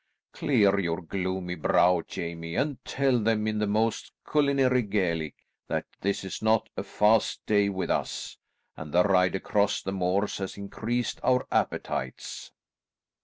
Clear your gloomy brow, Jamie, and tell them in the most culinary Gaelic that this is not a fast day with us, and the ride across the moors has increased our appetites."